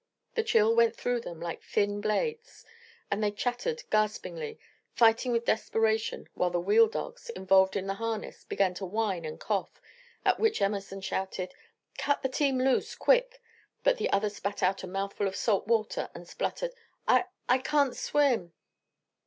The chill went through them like thin blades, and they chattered gaspingly, fighting with desperation, while the wheel dogs, involved in the harness, began to whine and cough, at which Emerson shouted: "Cut the team loose, quick!" But the other spat out a mouthful of salt water and spluttered: "I I can't swim!"